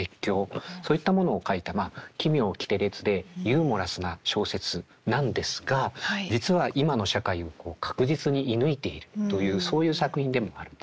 そういったものを書いた奇妙奇天烈でユーモラスな小説なんですが実は今の社会を確実に射抜いているというそういう作品でもあるんですね。